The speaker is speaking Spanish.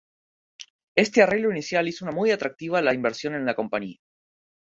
Este arreglo inicial hizo muy atractiva la inversión en la Compañía.